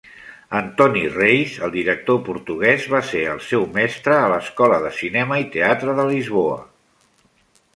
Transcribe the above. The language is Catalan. Antonio Reis, el director portuguès, va ser el seu mestre a l'Escola de Cinema i Teatre de Lisboa.